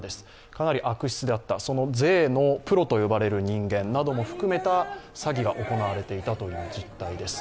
かなり悪質だった、税のプロと呼ばれる人間なども含めた詐欺が行われていたという実態です。